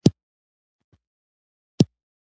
د سیاسي سنټرالیزېشن ترمنځ پیوستون څرګندوي.